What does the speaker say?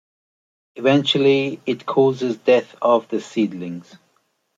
Eventually, it causes death of the seedling.